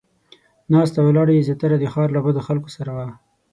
ناسته ولاړه یې زیاتره د ښار له بدو خلکو سره وه.